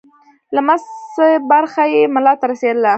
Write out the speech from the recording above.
لسمه برخه یې ملا ته رسېدله.